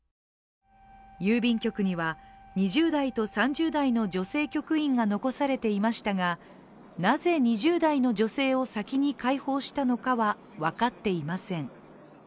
郵便局には２０代と３０代の女性局員が残されていましたが、なぜ２０代の女性を先に解放したのかは分かっていません。